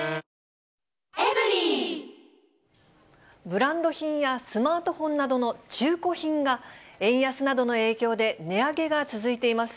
ブランド品やスマートフォンなどの中古品が、円安などの影響で値上げが続いています。